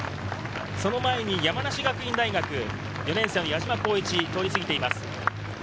その前に山梨学院大学・矢島洸一、通り過ぎています。